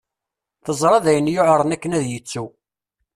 Teẓra d ayen yuɛren akken ad yettu.